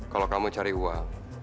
kalau kamu cari uang